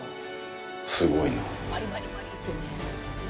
すごいな。